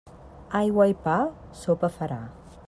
Aigua i pa, sopa farà.